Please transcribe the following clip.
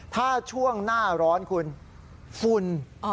ถ้าช่วงหน้าร้อนคุณฝุ่น